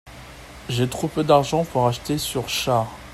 J'ai trop peu d'argent pour acheter ur c'harr.